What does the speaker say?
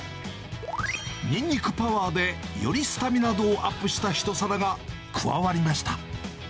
ニンニクパワーでよりスタミナ度をアップした一皿が加わりました。